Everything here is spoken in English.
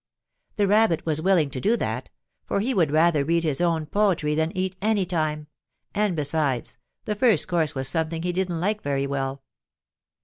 The Rabbit was willing to do that, for he would rather read his own poetry than eat any time, and, besides, the first course was something he didn't like very well.